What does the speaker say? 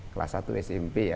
kelas satu smp ya